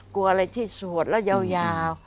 กลัวอะไรที่สวดแล้วยาว